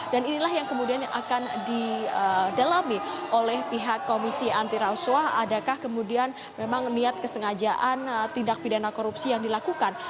inilah yang kemudian akan didalami oleh pihak komisi anti rasuah adakah kemudian memang niat kesengajaan tindak pidana korupsi yang dilakukan